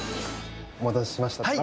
お待たせしました。